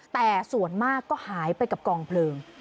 แต่ส่วนมากก็หายไปกับกองเพลิง